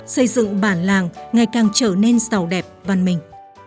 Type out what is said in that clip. xây dựng bản làng ngày càng trở nên giàu đẹp văn minh